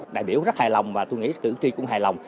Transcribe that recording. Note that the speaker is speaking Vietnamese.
đại biểu rất hài lòng và tôi nghĩ cử tri cũng hài lòng